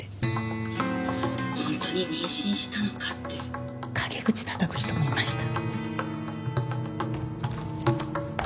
ホントに妊娠したのかって陰口たたく人もいました。